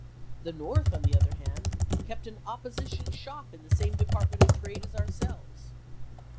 The North, on the other hand, kept an opposition shop in the same department of trade as ourselves."